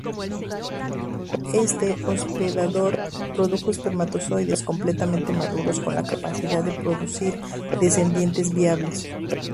Este hospedador produjo espermatozoides completamente maduros con la capacidad de producir descendientes viables.